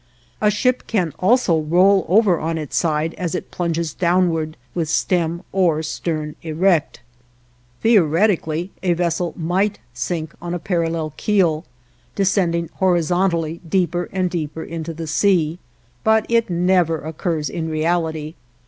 A ship can also roll over on its side as it plunges downwards with stem or stern erect. Theoretically a vessel might sink on a parallel keel, descending horizontally deeper and deeper into the sea; but it never occurs in reality.